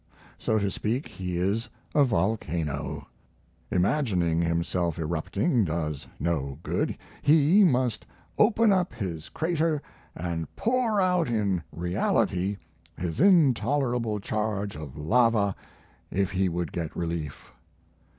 So to speak, he is a volcano: imaging himself erupting does no good; he must open up his crater and pour out in reality his intolerable charge of lava if he would get relief.